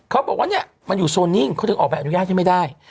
เขาบอกว่าเนี่ยมันอยู่โซนิ่งเขาถึงออกใบอนุญาตให้ไม่ได้